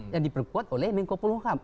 yang diperkuat oleh mengkopul hukam